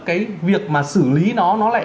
cái việc mà xử lý nó nó lại